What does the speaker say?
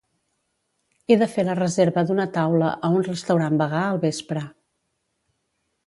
He de fer la reserva d'una taula a un restaurant vegà al vespre.